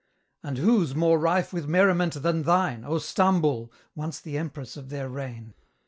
And whose more rife with merriment than thine, O Stamboul! once the empress of their reign?